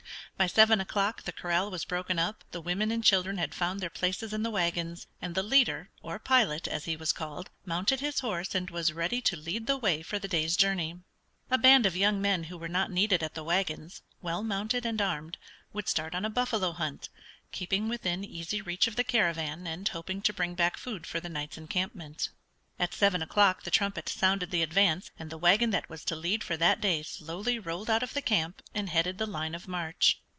By seven o'clock the corral was broken up; the women and children had found their places in the wagons, and the leader, or pilot as he was called, mounted his horse and was ready to lead the way for the day's journey. A band of young men who were not needed at the wagons, well mounted and armed, would start on a buffalo hunt, keeping within easy reach of the caravan and hoping to bring back food for the night's encampment. At seven o'clock the trumpet sounded the advance, and the wagon that was to lead for that day slowly rolled out of the camp and headed the line of march.